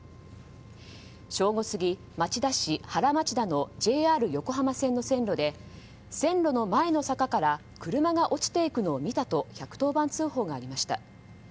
正午過ぎ、町田市原町田のＪＲ横浜線の線路で線路の前の坂から車が落ちていくのを見たと１１０番通報がありました。